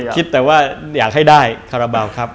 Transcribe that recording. คิดแต่ว่าอยากให้ได้คาราบาลครับ